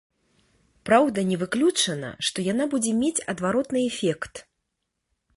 Праўда, не выключана, што яна будзе мець адваротны эфект.